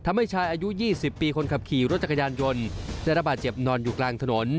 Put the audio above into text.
ทำให้ชายอายุ๒๐ปีคนขับขี่รถจักรยานยนต์ได้ระบาดเจ็บนอนอยู่กลางถนน